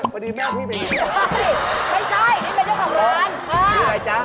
มีอะไรจ๊ะ